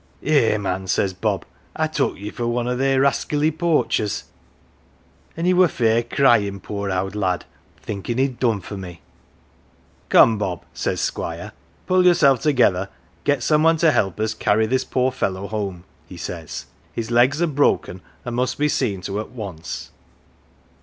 An' ' Eh man !' says Bob, ' I took ye for wan o' they raskilly poachers !' an' he were fair cry in', poor owd lad, thinkin' he'd done for me. 186 OF THE WALL "' Come, Bob, 1 says Squire, ' pull yourself together ; get some one to help us to carry this poor fellow home, 1 he says. ' His legs are broken, and must be seen to at once.